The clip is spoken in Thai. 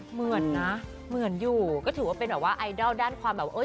เหมือนนะเหมือนอยู่ก็ถือว่าเป็นแบบว่าไอดอลด้านความแบบเอ้ย